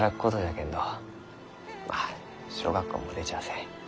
まあ小学校も出ちゃあせん。